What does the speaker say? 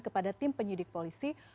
kepada tim penyidik polisi